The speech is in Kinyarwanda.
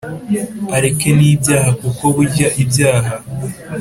areke nibyaha kuko burya icyaha